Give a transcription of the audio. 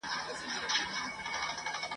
له نیکونو ورته پاته همدا کور وو !.